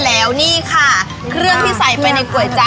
แล้วนี่ค่ะเครื่องที่ใส่ไปในก๋วยจั๊